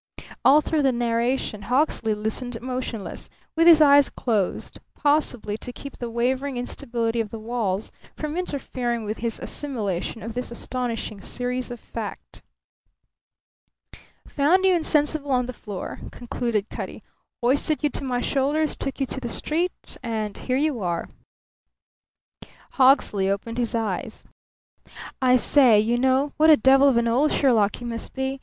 All through the narration Hawksley listened motionless, with his eyes closed, possibly to keep the wavering instability of the walls from interfering with his assimilation of this astonishing series of fact. "Found you insensible on the floor," concluded Cutty, "hoisted you to my shoulders, took you to the street and here you are!" Hawksley opened his eyes. "I say, you know, what a devil of an old Sherlock you must be!